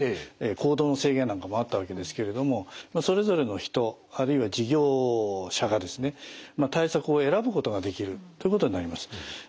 行動の制限なんかもあったわけですけれどもそれぞれの人あるいは事業者がですね対策を選ぶことができるってことになります。